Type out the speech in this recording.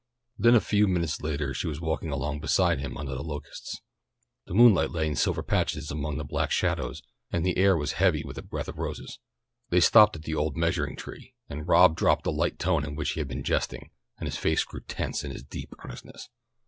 Then a few minutes later she was walking along beside him under the locusts. The moonlight lay in silver patches among the black shadows and the air was heavy with the breath of roses. They stopped at the old measuring tree, and Rob dropped the light tone in which he had been jesting, and his face grew tense in his deep earnestness.